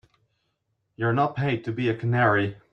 You're not paid to be a canary.